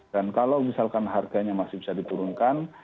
dan kalau misalkan harganya masih bisa dipurungkan